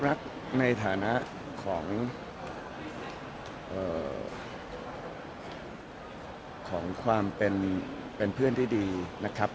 รักในฐานะของความเป็นเพื่อนที่ดีนะครับ